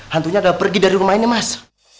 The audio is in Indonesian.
hantunya pergi dari rumah ini mas